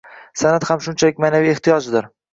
San’at ham shunchalik ma’naviy ehtiyojdir.